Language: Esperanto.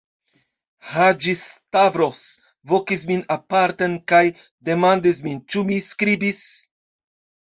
Haĝi-Stavros vokis min aparten, kaj demandis min, ĉu mi skribis.